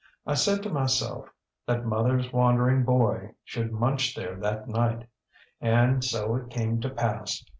I said to myself that motherŌĆÖs wandering boy should munch there that night. And so it came to pass.